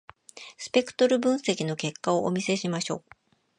スペクトル分析の結果をお見せしましょう。